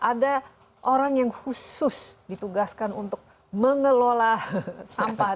ada orang yang khusus ditugaskan untuk mengelola sampah